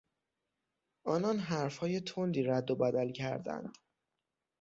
آنان حرفهای تندی ردوبدل کردند.